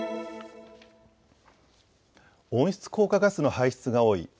温室効果ガスの排出が多い